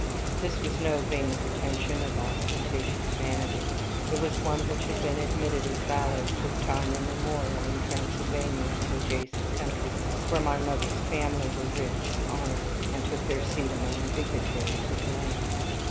This was no vain pretension of ostentatious vanity. It was one which had been admitted as valid for time immemorial in Transylvania and adjacent countries, where my mother's family were rich and honored, and took their seat among the dignitaries of the land.